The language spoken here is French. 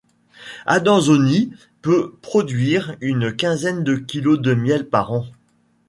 Adansonii peut produire une quinzaine de kilos de miel par an.